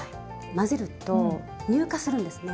混ぜると乳化するんですね。